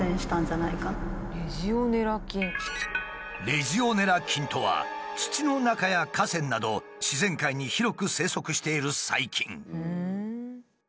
レジオネラ菌とは土の中や河川など自然界に広く生息している細菌。